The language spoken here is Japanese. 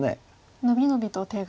伸び伸びと手が。